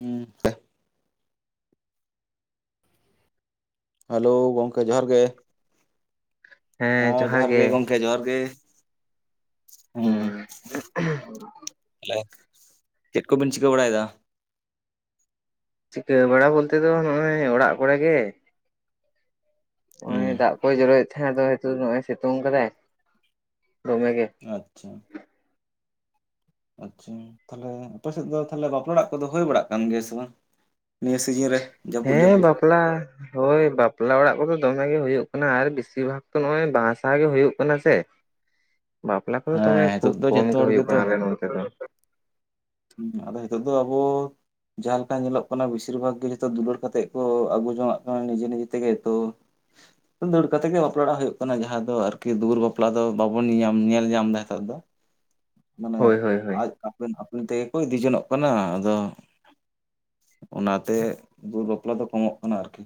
ᱦᱩᱸ [unintelligible] ᱦᱮᱞᱳ ᱜᱚᱢᱠᱮ ᱡᱚᱦᱟᱨ ᱜᱮ᱾ ᱦᱮᱸ ᱡᱚᱦᱟᱨ ᱜᱮ ᱜᱚᱢᱠᱮ ᱡᱚᱦᱟᱨ ᱜᱮ᱾ ᱦᱩᱸ᱾ ᱦᱮᱸ ᱛᱟᱞᱦᱮ ᱪᱮᱫ ᱠᱚᱵᱤᱱ ᱪᱤᱠᱟᱹ ᱵᱟᱲᱟᱭᱮᱫᱟ? ᱪᱤᱠᱟᱹ ᱵᱟᱲᱟ ᱵᱚᱞᱛᱮ ᱫᱚ ᱱᱚᱜ-ᱚᱭ ᱚᱲᱟᱜ ᱠᱚᱨᱮ ᱜᱮ᱾ ᱦᱩᱸ ᱚᱸᱭ ᱫᱟᱜ ᱠᱚᱭ ᱡᱚᱨᱚᱭᱮᱫ ᱛᱟᱦᱮᱸ ᱟᱫᱚ ᱱᱤᱛᱚᱜ ᱱᱚᱜ-ᱚᱭ ᱥᱤᱛᱩᱝ ᱠᱟᱫᱟᱭ ᱫᱚᱢᱮ ᱜᱮ᱾ ᱟᱪᱪᱷᱟ᱾ ᱟᱪᱪᱷᱟ᱾ ᱛᱟᱦᱞᱮ ᱟᱯᱮ ᱥᱮᱫ ᱫᱚ ᱛᱟᱦᱞᱮ ᱵᱟᱯᱞᱟ ᱚᱲᱟᱜ ᱠᱚᱫᱚ ᱦᱩᱭ ᱵᱟᱲᱟᱜ ᱠᱟᱱ ᱜᱮᱭᱟ ᱥᱮ ᱵᱟᱝ? ᱱᱤᱭᱟᱹ ᱥᱤᱡᱤᱱ ᱨᱮ? ᱡᱟᱹᱯᱩᱫ ᱦᱮᱸ ᱡᱟᱹᱯᱩᱫ ᱵᱟᱯᱞᱟ ᱦᱳᱭ ᱵᱟᱯᱞᱟ ᱚᱲᱟᱜ ᱠᱚᱫᱚ ᱫᱚᱢᱮ ᱜᱮ ᱦᱩᱭᱩᱜ ᱠᱟᱱᱟ ᱟᱨ ᱵᱮᱥᱤᱨ ᱵᱷᱟᱜᱽ ᱛᱚ ᱱᱚᱜ-ᱚᱭ ᱵᱟᱸᱦᱟ-ᱥᱟᱦᱟ ᱜᱮ ᱦᱩᱭᱩᱜ ᱠᱟᱱᱟ ᱥᱮ᱾ [inaudible] ᱵᱟᱯᱞᱟ ᱠᱚᱫᱚ ᱦᱮᱸ ᱫᱚᱢᱮ ᱠᱷᱩᱵ ᱱᱤᱛᱚᱜ ᱫᱚ ᱠᱚᱢ ᱡᱚᱛᱚ ᱜᱮ ᱦᱚᱲ ᱦᱩᱭᱩᱜ ᱜᱮᱛᱚ ᱠᱟᱱᱟ ᱟᱞᱮ ᱱᱚᱱᱛᱮ ᱫᱚ᱾ ᱦᱩᱸ᱾ ᱟᱫᱚ ᱦᱤᱛᱚᱜ ᱫᱚ ᱟᱵᱚ ᱡᱟᱦᱟᱸ ᱞᱮᱠᱟ ᱧᱮᱞᱚᱜ ᱠᱟᱱᱟ ᱵᱮᱥᱤᱨ ᱵᱷᱟᱜᱽ ᱜᱮ ᱡᱷᱚᱛᱚ ᱫᱩᱞᱟᱹᱲ ᱠᱟᱛᱮᱜ ᱠᱚ ᱟᱹᱜᱩ ᱡᱚᱝᱟᱜ ᱠᱟᱱᱟ ᱱᱤᱡᱮ ᱱᱤᱡᱮ ᱛᱮᱜᱮ᱾ ᱛᱚ ᱫᱟᱹᱲ ᱠᱟᱛᱮ ᱜᱮ ᱵᱟᱯᱞᱟ ᱚᱲᱟᱜ ᱦᱩᱭᱩᱜ ᱠᱟᱱᱟ᱾ ᱡᱟᱦᱟᱸ ᱫᱚ ᱟᱨᱠᱤ ᱫᱩᱣᱟᱹᱨ ᱵᱟᱯᱞᱟ ᱫᱚ ᱵᱟᱵᱚᱱ ᱧᱮᱧᱟᱢ ᱧᱮᱞ ᱧᱟᱢ ᱮᱫᱟ ᱦᱮᱛᱟᱨ ᱫᱚ᱾ ᱢᱟᱱᱮ ᱦᱳᱭ ᱦᱳᱭ ᱦᱳᱭ ᱟᱡ ᱟᱯᱮᱱ ᱟᱯᱮᱱ ᱛᱮᱜᱮ ᱠᱚ ᱤᱫᱤ ᱡᱚᱱᱚᱜ ᱠᱟᱱᱟ᱾ ᱟᱫᱚ ᱚᱱᱟᱛᱮ ᱫᱩᱭᱟᱹᱨ ᱵᱟᱯᱞᱟ ᱫᱚ ᱠᱚᱢᱚᱜ ᱠᱟᱱᱟ ᱟᱨᱠᱤ᱾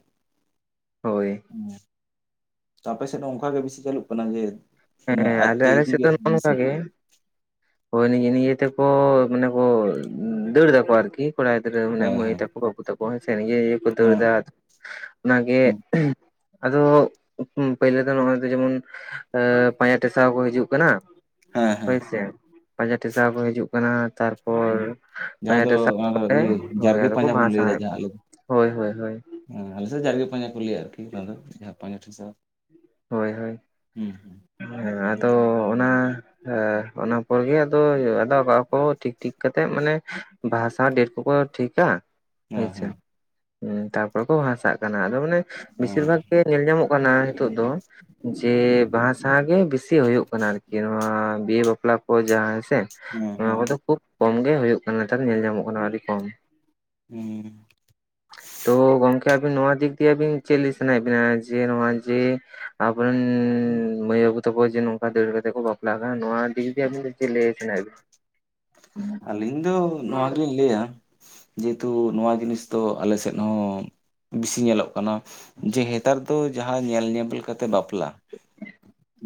ᱦᱳᱭ ᱦᱩᱸ᱾ ᱛᱚ ᱟᱯᱮ ᱥᱮᱫ ᱫᱚ ᱚᱱᱠᱟ ᱜᱮ ᱵᱮᱥᱤ ᱪᱟᱹᱞᱩᱜ ᱠᱟᱱᱟ ᱡᱮ ᱢᱟᱱᱮ ᱦᱮᱸ ᱟᱞᱮ ᱟᱡᱛᱮ ᱟᱞᱮ ᱥᱮᱫ ᱤᱫᱤᱜᱮ ᱫᱚ ᱱᱚᱜ-ᱚ ᱵᱤᱥᱤ ᱱᱚᱝᱠᱟᱜ ᱜᱮ᱾ ᱦᱳᱭ ᱱᱤᱡᱮ ᱱᱤᱡᱮ ᱛᱮᱠᱚ ᱢᱟᱱᱮ ᱠᱚ ᱫᱟᱹᱲ ᱫᱟᱠᱚ ᱟᱨᱠᱤ᱾ ᱠᱚᱲᱟ ᱜᱤᱫᱽᱨᱟᱹ ᱢᱟᱱᱮ ᱦᱮᱸ ᱢᱟᱹᱭ ᱦᱮᱸ ᱛᱟᱠᱚ ᱵᱟᱹᱵᱩ ᱛᱟᱠᱚ ᱦᱮᱸ ᱥᱮ᱾ ᱱᱤᱡᱮ ᱱᱤᱡᱮ ᱠᱚ ᱦᱮᱸ ᱫᱟᱹᱲᱫᱟ᱾ ᱚᱱᱟᱜᱮ ᱦᱮᱸ ᱟᱫᱚ ᱯᱳᱭᱞᱳ ᱫᱚ ᱱᱚᱜ-ᱚᱭ ᱫᱚ ᱡᱮᱢᱚᱱ ᱟᱹ ᱯᱟᱸᱡᱟ ᱴᱮᱥᱟᱣ ᱠᱚ ᱦᱤᱡᱩᱜ ᱠᱟᱱᱟ ᱦᱮᱸ ᱦᱮᱸ ᱦᱳᱭᱥᱮ᱾ ᱯᱟᱸᱡᱟ ᱴᱮᱥᱟ ᱠᱚ ᱦᱤᱡᱩᱜ ᱠᱟᱱᱟ ᱛᱟᱨᱯᱚᱨ ᱦᱮᱸ ᱡᱟᱦᱟᱸ ᱯᱟᱸᱡᱟ ᱫᱚ ᱴᱮᱥᱟᱣ ᱚᱱᱟ ᱫᱚ ᱠᱟᱛᱮ ᱤᱭᱟᱹ ᱦᱳᱭ ᱡᱟᱨᱜᱮ ᱟᱫᱚ ᱠᱚ ᱯᱟᱸᱡᱟ ᱵᱟᱦᱟ ᱥᱟᱦᱟᱣᱮᱫ ᱠᱚᱣᱟ᱾ ᱦᱳᱭ ᱦᱳᱭ ᱦᱳᱭ ᱾ ᱦᱮ ᱟᱞᱮ ᱥᱮᱫ ᱫᱚ ᱡᱟᱨᱜᱮ ᱯᱟᱸᱡᱟ ᱠᱚ ᱞᱟᱹᱭᱟ ᱟᱨᱠᱤ ᱱᱚᱣᱟ ᱫᱚ ᱡᱟᱦᱟᱸ ᱯᱟᱸᱡᱟ ᱴᱷᱮᱥᱟᱣ ᱾ ᱦᱳᱭ ᱦᱳᱭ ᱾ ᱦᱮᱸ ᱟᱫᱚ ᱚᱱᱟ ᱚᱱᱟ ᱯᱚᱨ ᱜᱮ ᱟᱫᱚ ᱟᱫᱚ ᱟᱫᱟᱣ ᱵᱟᱣ ᱠᱚ ᱴᱷᱤᱠ ᱴᱷᱤᱠ ᱠᱟᱛᱮᱜ ᱢᱟᱱᱮ ᱵᱟᱦᱟ ᱥᱟᱶ ᱰᱮᱴ ᱠᱚ ᱴᱷᱠᱟ ᱦᱮᱸ ᱦᱳᱭᱥᱮ ᱦᱮᱸ ᱾ ᱛᱟᱨᱯᱚᱨᱮ ᱠᱚ ᱵᱟᱦᱟᱥᱟᱜ ᱠᱟᱱᱟ ᱟᱫᱚ ᱢᱟᱱᱮ ᱚ ᱵᱮᱥᱤᱨ ᱵᱷᱟᱜᱽ ᱜᱮ ᱧᱮᱞ ᱧᱟᱢᱚᱜ ᱠᱟᱱᱟ ᱱᱤᱛᱚᱜ ᱫᱚ ᱡᱮ ᱵᱟᱦᱟ ᱥᱟᱦᱟᱜ ᱜᱮ ᱵᱮᱥᱤ ᱦᱩᱭᱩᱜ ᱠᱟᱱᱟ ᱟᱨᱠᱤ ᱱᱚᱶᱟ ᱵᱤᱦᱟᱹ ᱵᱟᱯᱞᱟ ᱠᱚ ᱡᱟᱦᱟᱸ ᱛᱮ ᱦᱮᱸ ᱱᱚᱣᱟ ᱦᱮᱸ ᱠᱚᱫᱚ ᱠᱷᱩᱵ ᱠᱚᱢ ᱜᱮ ᱦᱩᱭᱩᱜ ᱠᱟᱱᱟ ᱱᱮᱛᱟᱨ ᱧᱮᱞ ᱧᱟᱢᱚᱜ ᱠᱟᱱᱟ ᱟᱹᱰᱤ ᱠᱚᱢ ᱾ [unintelligible] ᱛᱚ ᱜᱚᱢᱠᱮ ᱟᱵᱤᱱ ᱱᱚᱣᱟ ᱫᱤᱠ ᱫᱤᱭᱮ ᱟᱵᱤᱱ ᱪᱮᱫ ᱞᱟᱹᱭ ᱥᱟᱱᱟᱭᱮᱫ ᱵᱤᱱᱟ ᱡᱮ ᱱᱚᱣᱟ- ᱡᱮ ᱟᱵᱚᱨᱮᱱ ᱢᱟᱹᱭ ᱵᱟᱹᱵᱩ ᱛᱟᱠᱚ ᱡᱮ ᱱᱚᱝᱠᱟ ᱫᱟᱹᱲ ᱠᱟᱛᱮ ᱠᱚ ᱵᱟᱯᱞᱟᱜ ᱠᱟᱱ ᱱᱚᱣᱟ ᱤᱫᱤ ᱟᱵᱤᱱ ᱪᱮᱫ ᱞᱟᱹᱭ ᱥᱟᱱᱟᱭᱮᱫ ᱵᱤᱱᱟ? ᱟᱞᱤᱧ ᱫᱚ ᱱᱚᱣᱟ ᱜᱮᱞᱤᱧ ᱞᱟᱹᱭᱟ, ᱡᱮᱦᱮᱛᱩ ᱱᱚᱣᱟ ᱡᱤᱱᱤᱥ ᱫᱚ ᱟᱞᱮ ᱥᱮᱫ ᱦᱚᱸ ᱵᱤᱥᱤ ᱧᱮᱞᱚᱜ ᱠᱟᱱᱟ ᱡᱮ ᱱᱮᱛᱟᱨ ᱫᱚ ᱡᱟᱦᱟᱸ ᱧᱮᱞ ᱧᱮᱯᱮᱞ ᱞᱮᱠᱟᱛᱮ ᱵᱟᱯᱞᱟ ᱵᱟᱯᱞᱟ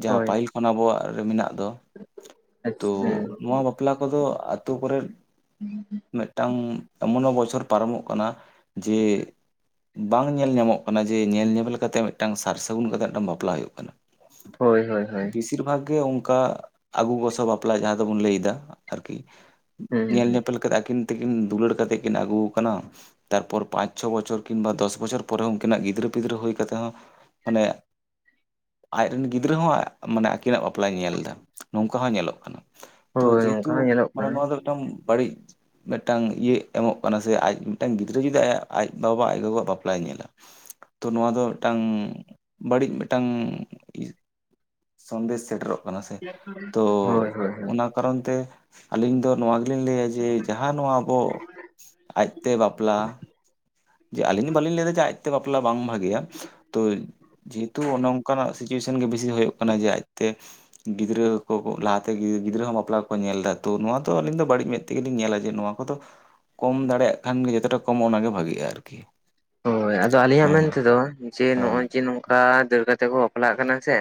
ᱡᱟᱦᱟᱸ ᱦᱳᱭ ᱯᱟᱹᱦᱤᱞ ᱠᱷᱚᱱ ᱟᱵᱚᱣᱟᱜ ᱨᱮ ᱢᱮᱱᱟᱜ ᱫᱚ ᱛᱚ ᱟᱪᱪᱷᱟ ᱱᱚᱣᱟ ᱵᱟᱯᱞᱟ ᱠᱚᱫᱚ ᱟᱹᱛᱩ ᱠᱚᱨᱮᱫ [unintelligible] ᱢᱤᱫᱴᱟᱝ ᱮᱢᱚᱱᱚ ᱵᱚᱪᱷᱚᱨ ᱯᱟᱨᱚᱢᱚᱜ ᱠᱟᱱᱟ ᱡᱮ ᱵᱟᱝ ᱧᱮᱞ ᱧᱟᱢᱚᱜ ᱠᱟᱱᱟ ᱡᱮ ᱧᱮᱞ ᱧᱮᱯᱮᱞ ᱠᱟᱛᱮ ᱢᱤᱫᱴᱟᱝ ᱥᱟᱨ ᱥᱟᱹᱜᱩᱱ ᱠᱟᱛᱮ ᱢᱤᱫᱴᱟᱝ ᱵᱟᱯᱞᱟ ᱦᱩᱭᱩᱜ ᱠᱟᱱᱟ ᱾ ᱦᱳᱭ ᱦᱳᱭ ᱦᱳᱭ ᱾ ᱵᱮᱥᱤᱨ ᱵᱷᱟᱜᱽ ᱜᱮ ᱚᱱᱠᱟ ᱟᱹᱜᱩ ᱜᱚᱥᱚ ᱵᱟᱯᱞᱟ ᱡᱟᱦᱟᱸ ᱫᱚᱵᱚᱱ ᱞᱟᱹᱭ ᱫᱟ ᱟᱨᱠᱤ ᱦᱩᱸ ᱧᱮᱞ ᱦᱩᱸ ᱧᱮᱯᱮᱞ ᱠᱟᱛᱮᱮᱫ ᱟᱹᱠᱤᱱ ᱛᱮᱠᱤᱱ ᱫᱩᱞᱟᱹᱲ ᱠᱟᱛᱮᱜ ᱠᱤᱱ ᱟᱹᱜᱩ ᱟᱠᱟᱱᱟ ᱛᱟᱨᱯᱚᱨ ᱯᱟᱸᱪ ᱪᱷᱚ ᱵᱚᱪᱷᱚᱨ ᱠᱤᱝᱵᱟ ᱫᱚᱥ ᱵᱚᱪᱷᱚᱨ ᱯᱚᱨᱮ ᱩᱱᱠᱤ ᱱᱟᱜ ᱜᱤᱫᱽᱨᱟᱹ ᱯᱤᱫᱽᱨᱟᱹ ᱦᱩᱭ ᱠᱟᱛᱮᱫ ᱦᱚᱸ ᱢᱟᱱᱮ ᱟᱡᱨᱮ ᱨᱮᱱ ᱜᱤᱫᱽᱨᱟᱹ ᱦᱚᱸ ᱢᱟᱱᱮ ᱟᱹᱠᱤᱱᱟᱜ ᱵᱟᱯᱞᱟᱭ ᱧᱮᱞ ᱮᱫᱟ ᱾ ᱱᱚᱝᱠᱟ ᱦᱚᱸ ᱧᱮᱞᱚᱜ ᱠᱟᱱᱟ ᱛᱚ ᱦᱳᱭ ᱱᱚᱝᱠᱟ ᱡᱮᱦᱮᱛᱩ ᱦᱚᱸ ᱧᱮᱞᱚᱜ ᱢᱟᱱᱮ ᱠᱟᱱᱟ ᱱᱚᱣᱟ ᱫᱚ ᱢᱤᱫᱴᱟᱝ ᱵᱟᱹᱲᱤᱡ ᱢᱤᱫᱴᱟᱝ ᱤᱭᱟᱹ ᱮᱢᱚᱜ ᱠᱟᱱᱟ ᱥᱮ ᱟᱡ ᱢᱤᱫᱴᱟᱝ ᱜᱤᱫᱽᱨᱟᱹ ᱡᱩᱫᱤ ᱟᱡ ᱵᱟᱵᱟ ᱟᱡ ᱜᱚᱜᱚᱣᱟᱜ ᱵᱟᱯᱞᱟᱭ ᱧᱮᱞᱟ ᱛᱚ ᱱᱚᱣᱟ ᱫᱚ ᱢᱤᱫᱴᱟᱝ ᱵᱟᱹᱲᱤᱡ ᱢᱤᱫᱴᱟᱝ ᱥᱚᱱᱫᱮᱥ ᱥᱮᱴᱮᱨᱚᱜ ᱠᱟᱱᱟ ᱥᱮ, ᱛᱚ ᱦᱳᱭ ᱦᱳᱭ ᱦᱳᱭ ᱚᱱᱟ ᱠᱟᱨᱚᱱ ᱛᱮ ᱟᱹᱞᱤᱧ ᱫᱚ ᱱᱚᱣᱟ ᱜᱮᱞᱤᱧ ᱞᱟᱹᱭᱟ ᱡᱮ ᱡᱟᱦᱟᱸ ᱱᱚᱣᱟ ᱟᱵᱚ ᱟᱡᱛᱮ ᱵᱟᱯᱞᱟ ᱡᱮ ᱟᱹᱞᱤᱧ ᱫᱚ ᱵᱟᱹᱞᱤᱧ ᱞᱟᱹᱭᱫᱟ ᱡᱮ ᱟᱡᱛᱮ ᱵᱟᱯᱞᱟ ᱵᱟᱝ ᱵᱷᱟᱜᱮᱭᱟ ᱛᱚ ᱡᱮᱦᱮᱛᱩ ᱚᱱ ᱚᱱᱠᱟᱱᱟᱜ ᱥᱤᱪᱩᱭᱮᱥᱚᱱ ᱜᱮ ᱵᱮᱥᱤ ᱦᱩᱭᱩᱜ ᱠᱟᱱᱟ ᱡᱮ ᱟᱡᱛᱮ ᱜᱤᱫᱽᱨᱟᱹ ᱠᱚ ᱞᱟᱦᱟᱛᱮ ᱜᱤᱫᱽᱨᱟᱹ ᱦᱚᱸ ᱵᱟᱯᱞᱟ ᱠᱚ ᱧᱮᱞ ᱮᱫᱟ ᱾ ᱛᱚ ᱱᱚᱣᱟ ᱫᱚ ᱟᱹᱞᱤᱧ ᱫᱚ ᱵᱟᱹᱲᱤᱡ ᱢᱮᱫ ᱛᱮᱜᱮᱞᱤᱧ ᱧᱮᱞᱟ ᱡᱮ ᱱᱚᱣᱟ ᱠᱚᱫᱚ, ᱠᱚᱢ ᱫᱟᱲᱮᱭᱟᱜ ᱠᱷᱟᱱ ᱜᱮ ᱡᱚᱛᱚᱴᱟ ᱠᱚᱢᱚᱜᱼᱟ ᱚᱱᱟᱜᱮ ᱵᱷᱟᱜᱤᱜᱼᱟ ᱟᱨᱠᱤ ᱾ ᱦᱳᱭ ᱟᱫᱚ ᱟᱹᱞᱤᱧᱟᱜ ᱢᱮᱱᱛᱮᱫᱚ ᱡᱮ ᱱᱚᱜᱚᱭ ᱡᱮ ᱱᱚᱝᱠᱟ ᱫᱟᱹᱲ ᱠᱟᱛᱮ ᱠᱚ ᱵᱟᱯᱞᱟᱜ ᱠᱟᱱᱟ ᱥᱮ,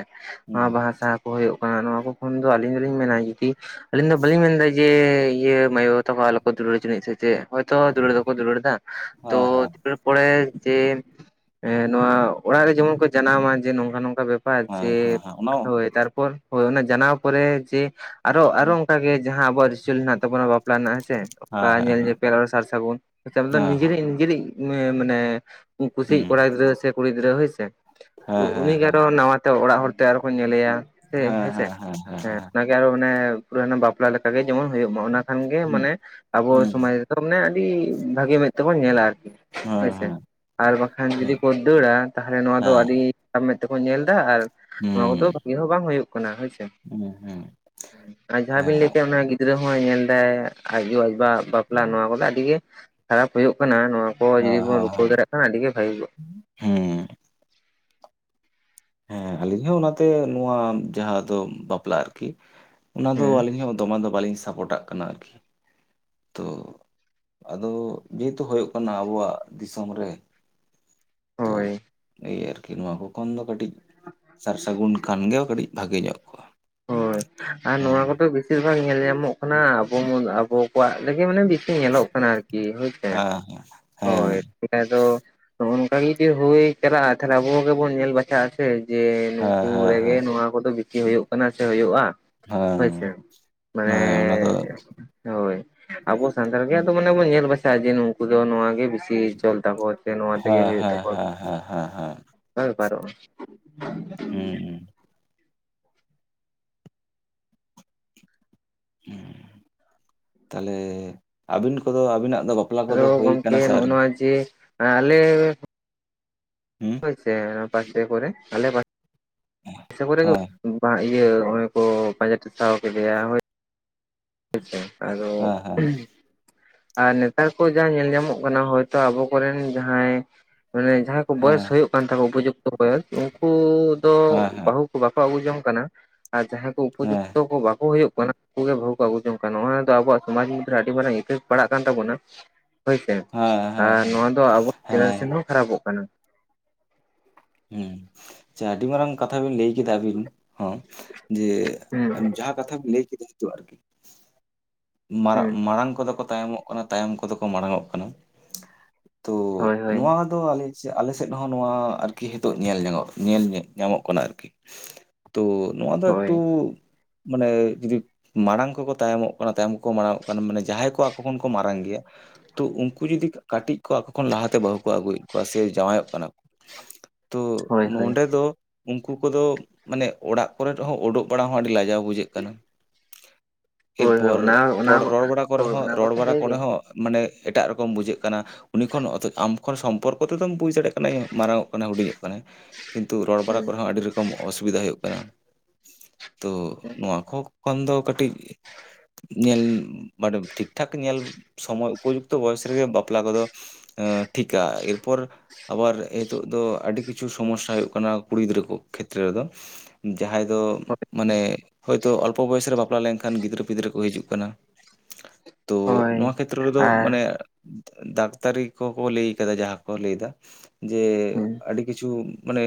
ᱚᱱᱟ ᱦᱩᱸ ᱵᱟᱦᱟ ᱥᱟᱦᱟ ᱠᱚ ᱦᱩᱭᱩᱜ ᱠᱟᱱᱟ ᱱᱚᱣᱟ ᱠᱚ ᱠᱷᱳᱱ ᱫᱚ ᱟᱹᱞᱤᱧ ᱫᱚᱞᱤᱧ ᱢᱮᱱᱟ ᱡᱩᱫᱤ ᱟᱹᱞᱤᱧ ᱫᱚ ᱵᱟᱹᱞᱤᱧ ᱢᱮᱱᱫᱟ ᱡᱮ ᱤᱭᱟᱹ ᱢᱟᱭ ᱵᱟᱵᱩ ᱛᱟᱠᱚ ᱟᱞᱚ ᱠᱚ ᱫᱩᱞᱟᱹᱲ ᱦᱚᱪᱚᱱᱤᱡ ᱥᱮ ᱪᱮᱫ, ᱦᱳᱭᱛᱚ ᱦᱮᱸ ᱫᱩᱞᱟᱹᱲ ᱫᱚᱠᱚ ᱫᱩᱞᱟᱹᱲ ᱫᱟ ᱛᱚ ᱦᱮᱸ ᱯᱚᱲᱮ ᱡᱮ ᱱᱚᱣᱟ ᱚᱲᱟᱜ ᱨᱮ ᱡᱮᱢᱚᱱ ᱠᱚ ᱡᱟᱱᱟᱣ ᱢᱟ ᱡᱮ ᱱᱚᱝᱠᱟ ᱱᱚᱝᱠᱟ ᱵᱮᱯᱟᱨ ᱾ ᱵᱟ ᱦᱮᱸ ᱡᱮ ᱦᱮᱸ ᱦᱮᱸ ᱚᱱᱟ ᱦᱳᱭ ᱛᱟᱨᱯᱚᱨ ᱦᱳᱭ ᱚᱱᱟ ᱡᱟᱱᱟᱣ ᱯᱚᱨᱮ ᱡᱮ ᱟᱨᱚ ᱟᱨᱚ ᱚᱱᱠᱟᱜ ᱜᱮ ᱡᱟᱦᱟᱸ ᱟᱵᱚ ᱨᱤᱪᱞ ᱦᱮᱱᱟᱜ ᱛᱟᱵᱚᱱᱟ ᱵᱟᱯᱞᱟ ᱨᱮᱱᱟᱜᱼᱟ ᱦᱮᱥᱮ ᱛᱮ ᱦᱮᱸ ᱚᱱᱠᱟ ᱦᱮᱸ ᱧᱮᱞ ᱧᱮᱯᱮᱞ ᱟᱨ ᱥᱟᱨ ᱥᱟᱹᱜᱩᱱ ᱦᱮᱸ ᱦᱮᱸ ᱱᱤᱡᱮᱨᱤᱡ ᱱᱤᱡᱮᱨᱤᱡ ᱢᱟᱱᱮ ᱠᱩᱥᱤᱭ ᱠᱚᱲᱟ ᱦᱩᱸ ᱜᱤᱫᱽᱨᱟᱹ ᱥᱮ ᱠᱩᱲᱤ ᱜᱤᱫᱽᱨᱟᱹ ᱦᱳᱭᱥᱮ ᱦᱮᱸ ᱦᱮᱸ ᱩᱱᱤ ᱜᱮ ᱦᱮᱸ ᱟᱨᱚ ᱱᱟᱣᱟᱛᱮ ᱚᱲᱟᱜ ᱦᱚᱲ ᱛᱮ ᱟᱨᱚ ᱠᱚ ᱧᱮᱞᱮᱭᱟ ᱦᱮᱸᱥᱮ ᱦᱮᱸ ᱟᱨᱚ ᱢᱟᱱᱮ ᱯᱩᱨᱟᱹ ᱚᱱᱟ ᱵᱟᱯᱞᱟ ᱞᱮᱠᱟᱜᱮ ᱡᱮᱢᱚᱱ ᱦᱩᱭᱩᱜ ᱢᱟ ᱚᱱᱟ ᱠᱷᱟᱱᱜᱮ ᱦᱩᱸ ᱢᱟᱱᱮ ᱟᱵᱚ ᱦᱩᱸ ᱥᱚᱢᱟᱡ ᱛᱚ ᱢᱟᱱᱮ ᱟᱹᱰᱤ ᱵᱷᱟᱜᱮ ᱢᱮᱫ ᱛᱮᱵᱚᱱ ᱧᱮᱞᱟ ᱟᱨᱠᱤ ᱾ ᱦᱮᱸ ᱦᱳᱭᱥᱮ ᱦᱮᱸ ᱟᱨ ᱵᱟᱠᱷᱟᱱ ᱦᱮᱸ ᱡᱩᱫᱤ ᱦᱮᱸ ᱠᱚ ᱫᱟᱹᱲᱟ ᱛᱟᱦᱚᱞᱮ ᱱᱚᱣᱟ ᱫᱚ ᱟᱹᱰᱤ ᱢᱮᱫ ᱛᱮᱠᱚ ᱧᱮᱞ ᱮᱫᱟ, ᱟᱨ ᱱᱚᱣᱟ ᱦᱩᱸ ᱫᱚ ᱵᱷᱟᱜᱤ ᱦᱚᱸ ᱵᱟᱝ ᱦᱩᱭᱩᱜ ᱠᱟᱱᱟ ᱦᱳᱭᱥᱮ, ᱦᱩᱸ ᱦᱮᱸ ᱟᱨ ᱡᱟᱦᱟᱸ ᱦᱮᱸ ᱵᱤᱱ ᱞᱟᱹᱭ ᱠᱮ-ᱟ ᱚᱱᱟ ᱜᱤᱫᱽᱨᱟᱹ ᱦᱚᱸᱭ ᱧᱮᱞᱫᱟᱭ ᱟᱡᱽ ᱟᱭᱳ ᱟᱡᱵᱟ ᱦᱟᱜ ᱵᱟᱯᱞᱟ ᱱᱚᱣᱟ ᱠᱚᱫᱚ ᱟᱹᱰᱤ ᱜᱮ ᱠᱷᱟᱨᱟᱯ ᱦᱩᱭᱩᱜ ᱠᱟᱱᱟ᱾ ᱱᱚᱣᱟ ᱠᱚ ᱦᱮᱸ ᱡᱩᱫᱤ ᱠᱚᱱ ᱦᱮᱸ ᱨᱩᱠᱟᱹᱣ ᱫᱟᱲᱮᱭᱟᱜ ᱠᱷᱟᱡ ᱟᱰᱤ ᱜᱮ ᱵᱷᱟᱹᱜᱤ ᱠᱚᱜ-ᱟ᱾ ᱦᱮᱸ ᱾ ᱦᱮᱸ ᱟᱹᱞᱤᱧ ᱦᱚᱸ ᱚᱱᱟᱛᱮ ᱱᱚᱣᱟ ᱡᱟᱦᱟᱸ ᱫᱚ ᱵᱟᱯᱞᱟ ᱟᱨᱠᱤ ᱚᱱᱟᱫᱚ ᱟᱹᱞᱤᱧ ᱦᱚᱸ ᱫᱚᱢᱮ ᱫᱚ ᱵᱟᱞᱤᱧ ᱥᱟᱯᱳᱨᱴᱟᱜ ᱠᱟᱱᱟ ᱟᱨᱠᱤ᱾ ᱛᱚ ᱟᱫᱚ ᱡᱮᱦᱮᱛᱩ ᱦᱩᱭᱩᱜ ᱠᱟᱱᱟ ᱟᱵᱚᱣᱟᱜ ᱫᱤᱥᱚᱢ ᱨᱮ᱾ ᱠᱚᱜᱼᱟ ᱛᱚ ᱦᱳᱭ ᱱᱤᱭᱟᱹ ᱟᱨᱠᱤ ᱱᱚᱣᱟ ᱠᱚᱠᱷᱚᱱ ᱫᱚ ᱠᱟᱹᱴᱤᱡ ᱥᱟᱨ ᱥᱟᱹᱜᱩᱱ ᱠᱷᱟᱱᱜᱮ ᱠᱟᱹᱴᱤᱡ ᱵᱷᱟᱜᱮ ᱧᱚᱜ ᱠᱚᱜ-ᱟ᱾ ᱦᱳᱭ ᱟᱨ ᱱᱚᱣᱟ ᱠᱚᱫᱚ ᱵᱮᱥᱤᱨ ᱵᱷᱟᱜ ᱧᱮᱞ ᱧᱟᱢᱚᱜ ᱠᱟᱱᱟ ᱟᱵᱚ ᱟᱵᱚ ᱠᱚᱣᱟᱜ ᱨᱮᱜᱮ ᱢᱟᱱᱮ ᱵᱤᱥᱤ᱾ ᱧᱮᱞᱚᱜ ᱠᱟᱱᱟ ᱟᱨᱠᱤ ᱦᱳᱭᱥᱮ᱾ ᱦᱮᱸ ᱦᱮᱸ᱾ ᱵᱟᱠᱷᱟᱡ ᱫᱚ ᱱᱚᱜ ᱱᱚᱝᱠᱟ ᱜᱮ ᱡᱩᱫᱤ ᱦᱩᱭ ᱪᱟᱞᱟᱜ-ᱟ ᱛᱟᱦᱚᱞᱮ ᱟᱵᱚ ᱜᱮᱵᱚᱱ ᱧᱮᱞ ᱵᱟᱪᱟᱜ-ᱟ᱾ ᱡᱮ ᱦᱮᱸ ᱱᱩᱠᱩ ᱦᱮᱸ ᱨᱮᱜᱮ ᱦᱮᱸ ᱱᱚᱣᱟ ᱠᱚᱫᱚ ᱵᱮᱥᱤ ᱦᱩᱭᱩᱜ ᱠᱟᱱᱟ ᱥᱮ ᱦᱩᱭᱩᱜ-ᱟ᱾ ᱦᱚᱭ ᱥᱮ ᱦᱮᱸ ᱢᱟᱱᱮ ᱦᱮᱸ ᱚᱱᱟ ᱫᱚ ᱦᱳᱭ ᱟᱵᱚ ᱥᱟᱱᱛᱟᱲ ᱜᱮ ᱟᱫᱚ ᱢᱟᱱᱮ ᱵᱚᱱ ᱧᱮᱞ ᱵᱟᱪᱷᱟᱣ ᱤᱫᱤᱭᱟ ᱱᱩᱠᱩ ᱫᱚ ᱱᱚᱣᱟ ᱜᱮ ᱵᱤᱥᱤ ᱪᱚᱞ ᱛᱟᱠᱚ᱾ ᱱᱚᱣᱟ ᱛᱮᱜᱮ ᱦᱮᱸ ᱦᱩᱭᱩᱜ ᱦᱮᱸ ᱛᱟᱠᱚᱣᱟ ᱦᱮᱸ ᱦᱮᱸ ᱦᱮᱸ ᱦᱮᱸ ᱚᱱᱠᱟ ᱵᱮᱯᱟᱨᱚᱜ-ᱟ᱾ [unintelligible] ᱛᱟᱦᱚᱞᱮ ᱟᱹᱵᱤᱱ ᱠᱚᱫᱚ ᱟᱵᱤᱱᱟᱜ ᱫᱚ ᱵᱟᱯᱞᱟ ᱟᱫᱚ ᱠᱚᱫᱚ ᱦᱳᱭ ᱜᱚᱝᱠᱮ ᱠᱟᱱᱟ ᱥᱮ ᱱᱚᱜ ᱟᱹᱣᱨᱤ ᱱᱚᱣᱟ ᱡᱮ ᱟᱞᱮ ᱦᱩᱸ ᱦᱚᱭ ᱥᱮ ᱯᱟᱥᱮ ᱠᱚᱨᱮ ᱟᱞᱮ ᱯᱟᱥᱮ ᱯᱟᱥᱮ ᱠᱚᱨᱮ ᱦᱮᱸ ᱤᱭᱟᱹ ᱚᱱᱮ ᱠᱚ ᱯᱟᱸᱡᱟ ᱴᱮᱥᱟᱣ ᱠᱮᱫᱮᱭᱟ ᱦᱚᱭ᱾ ᱦᱮᱸᱪᱮ ᱟᱫᱚ ᱦᱮᱸ ᱦᱮᱸ ᱦᱮᱸ ᱟᱨ ᱱᱮᱛᱟᱨ ᱠᱚ ᱡᱟᱦᱟᱸ ᱧᱮᱞ ᱧᱟᱢᱚᱜ ᱠᱟᱱᱟ ᱦᱚᱭᱛᱚ ᱟᱵᱚ ᱠᱚᱨᱮᱱ ᱡᱟᱦᱟᱸᱭ ᱢᱟᱱᱮ ᱡᱟᱦᱟᱸ ᱦᱮᱸ ᱵᱚᱭᱮᱥ ᱦᱩᱭᱩᱜ ᱠᱟᱱ ᱛᱟᱠᱚᱣᱟ ᱩᱯᱚᱡᱩᱠᱛᱚ ᱵᱚᱭᱮᱥ ᱩᱱᱠᱩ ᱫᱚ ᱦᱮᱸ ᱵᱟᱹᱦᱩ ᱵᱟᱠᱚ ᱟᱹᱜᱩ ᱡᱚᱝ ᱠᱟᱱᱟ, ᱟᱨ ᱡᱟᱦᱟᱸᱭ ᱠᱚ ᱦᱮᱸ ᱦᱮᱸ ᱩᱯᱚᱡᱩᱠᱛᱚ ᱠᱚ ᱵᱟᱠᱚ ᱦᱩᱭᱩᱜ ᱠᱟᱱᱟ ᱩᱱᱠᱩ ᱜᱮ ᱵᱟᱦᱩ ᱟᱹᱜᱩ ᱡᱚᱝ ᱠᱟᱱᱟ ᱚᱱᱟ ᱫᱚ ᱟᱵᱚᱣᱟᱜ ᱥᱚᱢᱟᱡ ᱢᱩᱫᱨᱮ ᱟᱹᱰᱤ ᱢᱟᱨᱟᱝ ᱤᱯᱷᱮᱠᱴ ᱯᱟᱲᱟᱜ ᱠᱟᱱ ᱛᱟᱵᱚᱱᱟ᱾ ᱦᱳᱭᱥᱮ ᱦᱮᱸ ᱟᱨ ᱦᱮᱸ ᱱᱚᱣᱟ ᱫᱚ ᱟᱵᱚ ᱦᱮᱸ ᱡᱮᱱᱟᱨᱮᱥᱚᱱ ᱦᱚᱸ ᱠᱷᱟᱨᱟᱯᱚᱜ ᱠᱟᱱᱟ᱾ ᱦᱮᱸ ᱟᱪᱪᱷᱟ ᱟᱹᱰᱤ ᱢᱟᱨᱟᱝ ᱠᱟᱛᱷᱟ ᱵᱤᱱ ᱞᱟᱹᱭ ᱠᱮᱫᱟ ᱟᱵᱤᱱ ᱦᱚᱸ ᱡᱮ ᱦᱩᱸ ᱡᱟᱦᱟᱸ ᱠᱟᱛᱷᱟ ᱵᱤᱱ ᱞᱟᱹᱭ ᱠᱮᱫᱟ ᱛᱚ ᱟᱨᱠᱤ ᱦᱩᱸ ᱢᱟᱨᱟᱲᱟᱝ ᱠᱚᱫᱚ ᱠᱚ ᱛᱟᱭᱚᱢᱚᱜ ᱠᱟᱱᱟ ᱛᱟᱭᱚᱢ ᱠᱚᱫᱚ ᱠᱚ ᱢᱟᱲᱟᱝᱜ ᱠᱟᱱᱟ, ᱛᱚ ᱦᱳᱭ ᱦᱳᱭ ᱱᱚᱣᱟ ᱛᱚ ᱟᱞᱮ ᱥᱮᱫ ᱦᱚᱸ ᱱᱚᱣᱟ ᱟᱨᱠᱤ ᱱᱤᱛᱚᱜ ᱧᱮᱞ ᱧᱚᱜᱚᱜ ᱧᱮᱞ ᱧᱟᱢᱚᱜ ᱠᱟᱱᱟ ᱟᱨᱠᱤ᱾ ᱛᱚ ᱱᱚᱣᱟ ᱫᱚ ᱦᱳᱭ ᱮᱠᱴᱩ ᱢᱟᱱᱮ ᱡᱩᱫᱤ ᱢᱟᱲᱟᱝ ᱠᱚᱠᱚ ᱛᱟᱭᱚᱢᱚᱜ ᱠᱟᱱᱟ ᱛᱟᱭᱚᱢ ᱢᱟᱲᱟᱝᱚᱜ ᱠᱟᱱᱟ ᱢᱟᱱᱮ ᱡᱟᱦᱟᱸᱭ ᱠᱚ ᱟᱠᱚ ᱠᱷᱚᱱ ᱠᱚ ᱢᱟᱨᱟᱝ ᱜᱮᱭᱟ᱾ ᱛᱚ ᱩᱱᱠᱩ ᱡᱩᱫᱤ ᱠᱟᱹᱴᱤᱡ ᱠᱚ ᱟᱠᱚ ᱠᱷᱚᱱ ᱞᱟᱦᱟᱛᱮ ᱵᱟᱹᱦᱩ ᱠᱚ ᱟᱹᱜᱩᱭᱮᱫ ᱠᱚᱣᱟ ᱥᱮ ᱡᱟᱶᱟᱭᱚᱜ ᱠᱟᱱᱟ ᱠᱚ ᱛᱚ ᱦᱳᱭ ᱦᱳᱭ ᱱᱚᱰᱮ ᱫᱚ ᱩᱱᱠᱩ ᱠᱚᱫᱚ ᱢᱟᱱᱮ ᱚᱲᱟᱜ ᱠᱚᱨᱮ ᱦᱚᱸ ᱩᱰᱩᱠ ᱵᱟᱲᱟ ᱦᱚᱸ ᱟᱹᱰᱤ ᱞᱟᱡᱟᱣ ᱵᱩᱡᱟᱹᱜ ᱠᱟᱱᱟ ᱦᱳᱭ ᱦᱳᱭ ᱮᱨᱯᱚᱨ ᱚᱱᱟ ᱨᱚᱲ ᱚᱱᱟ ᱦᱳᱭ ᱨᱚᱲ ᱵᱟᱲᱟ ᱠᱚᱨᱮ ᱦᱚᱸ ᱚᱱᱟ ᱨᱚᱲ ᱠᱚᱛᱚ ᱵᱟᱲᱟ ᱦᱳᱭ ᱠᱚᱨᱮ ᱜᱮ ᱦᱚᱸ ᱢᱟᱱᱮ ᱮᱴᱟᱜ ᱨᱚᱠᱚᱢ ᱵᱩᱡᱷᱟᱹᱜ ᱠᱟᱱᱟ ᱩᱱᱤ ᱠᱷᱚᱱ ᱚᱛ ᱟᱢ ᱠᱷᱚᱱ ᱥᱚᱢᱯᱚᱨᱠᱚ ᱛᱮᱫᱚᱢ ᱵᱩᱡᱽ ᱫᱟᱲᱮᱭᱟᱜ ᱠᱟᱱᱟ ᱢᱟᱨᱟᱝ ᱠᱟᱱᱟᱭ ᱦᱩᱰᱤᱧᱚᱜ ᱠᱟᱱᱟᱭ ᱠᱤᱱᱛᱩ ᱨᱚᱲ ᱵᱟᱲᱟ ᱦᱩᱸ ᱠᱚᱨᱮ ᱦᱚᱸ ᱟᱹᱰᱤ ᱨᱚᱠᱚᱢ ᱚᱥᱩᱵᱤᱫᱦᱟ ᱦᱩᱭᱩᱜ ᱠᱟᱱᱟ᱾ ᱛᱚ ᱱᱚᱣᱟ ᱠᱚ ᱠᱷᱚᱱ ᱫᱚ ᱠᱟᱹᱴᱤᱡ ᱧᱮᱞ ᱢᱟᱱᱮ ᱴᱷᱤᱠ ᱴᱷᱟᱠ ᱧᱮᱞ ᱥᱚᱢᱚᱭ ᱩᱯᱚᱡᱩᱠᱛᱚ ᱵᱚᱭᱮᱥ ᱨᱮᱜᱮ ᱵᱟᱯᱞᱟ ᱠᱚᱫᱚ ᱮ ᱴᱷᱤᱠᱟ ᱮᱨᱯᱚᱨ ᱟᱵᱟᱨ ᱮ ᱱᱤᱛᱚᱜ ᱫᱚ ᱟᱹᱰᱤ ᱠᱤᱪᱷᱩ ᱥᱚᱢᱚᱥᱟ ᱦᱩᱭᱩᱜ ᱠᱟᱱᱟ ᱠᱩᱲᱤ ᱜᱤᱫᱽᱨᱟᱹ ᱠᱚ ᱠᱷᱮᱛᱨᱮ ᱨᱮᱫᱚ ᱾ ᱡᱟᱦᱟᱸᱭ ᱫᱚ ᱢᱟᱱᱮ ᱦᱚᱭ ᱛᱳ ᱚᱞᱯᱚ ᱵᱚᱭᱮᱥ ᱨᱮ ᱵᱟᱯᱞᱟ ᱞᱮᱱᱠᱷᱟᱱ ᱜᱤᱫᱽᱨᱟᱹ ᱯᱤᱫᱽᱨᱟᱹ ᱠᱚ ᱦᱤᱡᱩᱜ ᱠᱟᱱᱟ ᱾ ᱛᱚ ᱱᱚᱣᱟ ᱦᱳᱭ ᱠᱷᱮᱛᱨᱚ ᱨᱮᱫᱚ ᱟᱨ ᱢᱟᱱᱮ ᱰᱟᱠᱛᱟᱨᱤ ᱠᱚᱠᱚ ᱞᱟᱹᱭ ᱠᱟᱫᱟ ᱡᱟᱦᱟᱸ ᱠᱚ ᱞᱟᱹᱭᱫᱟ ᱾ ᱡᱮ ᱦᱩᱸ ᱟᱹᱰᱤ ᱠᱤᱪᱷᱩ ᱢᱟᱱᱮ